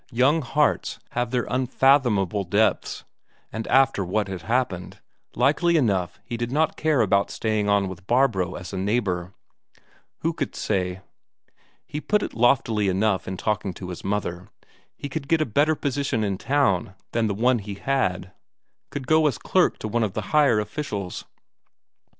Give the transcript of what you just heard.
Young hearts have their unfathomable depths, and after what had happened, likely enough he did not care about staying on with Barbro as a neighbour. Who could say? He had put it loftily enough in talking to his mother; he could get a better position in town than the one he had; could go as clerk to one of the higher officials.